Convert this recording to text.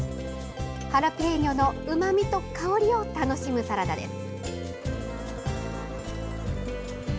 ハラペーニョのうまみと香りを楽しむサラダです。